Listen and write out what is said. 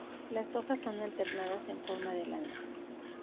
Las hojas son alternadas en forma de lanza.